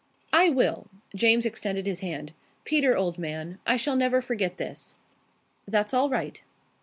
"I will." James extended his hand. "Peter, old man, I shall never forget this." "That's all right."